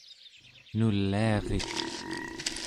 nuliarit